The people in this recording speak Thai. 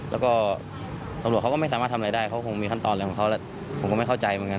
แล้วก็ตำรวจเขาก็ไม่สามารถทำอะไรได้เขาคงมีขั้นตอนอะไรของเขาแหละผมก็ไม่เข้าใจเหมือนกัน